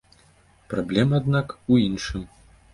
Праблема, аднак, у іншым.